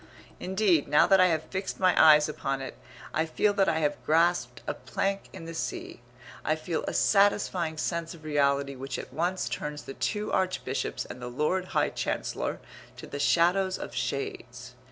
Indeed, now that I have fixed my eyes upon it, I feel that I have grasped a plank in the sea; I feel a satisfying sense of reality which at once turns the two Archbishops and the Lord High Chancellor to the shadows of shades.